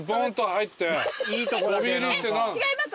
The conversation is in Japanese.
違います